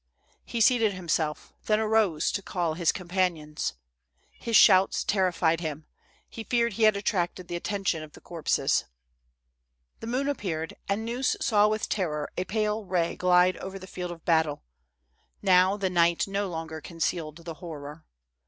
He seated himself, then arose to call his companions. Ilis shouts terrified him; he feared he had attracted the attention of the corpses. The moon appeared, and Gneuss saw with terror a pale ray glide over the field of battle. Now, the night no longer concealed the horror.